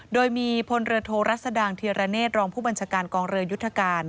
โดยมีพลเรือโทรัศดางธีรเนศรองผู้บัญชาการกองเรือยุทธการ